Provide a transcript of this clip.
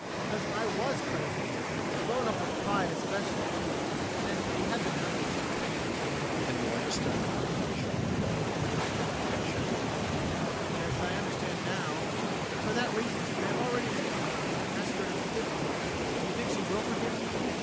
MAURICE. Because I was crazy blown up with pride especially and then we had been drinking champagne ADOLPHE. Can you understand now why Jeanne wept when you drank champagne? MAURICE. Yes, I understand now And for that reason I have already written to her and asked her to forgive me Do you think she will forgive me? ADOLPHE.